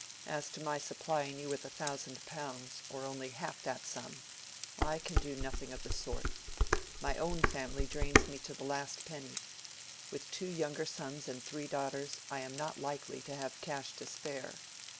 As to my supplying you with a thousand pounds, or only half that sum, I can do nothing of the sort. My own family drains me to the last penny. With two younger sons and three daughters, I am not likely to have cash to spare.